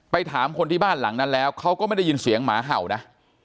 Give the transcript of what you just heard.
ถามคนที่บ้านหลังนั้นแล้วเขาก็ไม่ได้ยินเสียงหมาเห่านะ